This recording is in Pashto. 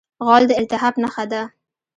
غول د التهاب نښه ده.